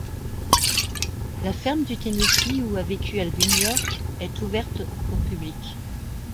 La ferme du Tennessee où a vécu Alvin York est ouverte au public.